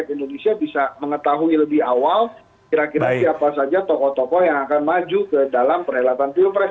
indonesia bisa mengetahui lebih awal kira kira siapa saja tokoh tokoh yang akan maju ke dalam perhelatan pilpres